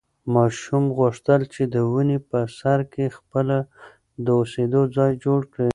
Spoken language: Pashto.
ماشوم غوښتل چې د ونې په سر کې خپله د اوسېدو ځای جوړ کړي.